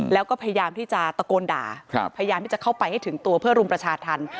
แล้วก็พยายามที่จะตะโกนด่าพยายามที่จะเข้าไปให้ถึงตัวเพื่อรุมประชาธรรม